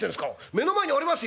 目の前にありますよ」。